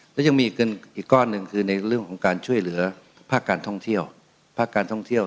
และยังมีเงินอีกก้อนหนึ่งคือในเรื่องของการช่วยเหลือภาคการท่องเที่ยวภาคการท่องเที่ยว